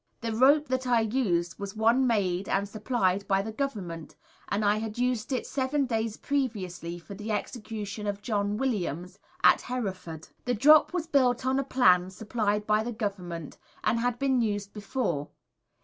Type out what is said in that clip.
The rope that I used was one made and supplied by the Government, and I had used it seven days previously for the execution of John Williams, at Hereford. The drop was built on a plan supplied by the Government, and had been used before.